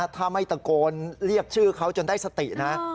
ถ้าไม่ตะโกนเรียกชื่อเขาจนได้สตินะ